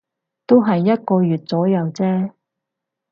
都係一個月左右啫